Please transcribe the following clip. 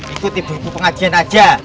itu tiba tiba pengajian aja